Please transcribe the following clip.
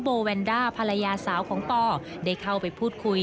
โบแวนด้าภรรยาสาวของปอได้เข้าไปพูดคุย